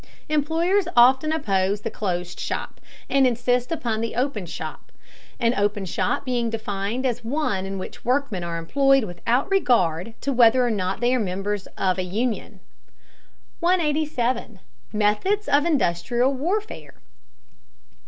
Employers often oppose the closed shop, and insist upon the open shop, an open shop being defined as one in which workmen are employed without regard to whether or not they are members of a union. 187. METHODS OF INDUSTRIAL WARFARE.